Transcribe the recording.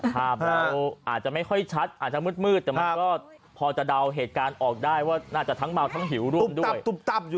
ภาพเราอาจจะไม่ค่อยชัดอาจจะมืดแต่มันก็พอจะเดาเหตุการณ์ออกได้ว่าน่าจะทั้งเมาทั้งหิวร่วมด้วย